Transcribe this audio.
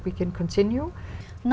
kế hoạch tự nhiên